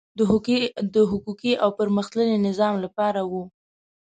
د حقوقي او پرمختللي نظام لپاره وو.